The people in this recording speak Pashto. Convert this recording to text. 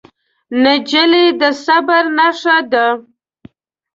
نجلۍ د صبر نښه ده.